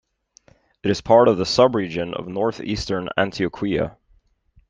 It is part of the subregion of Northeastern Antioquia.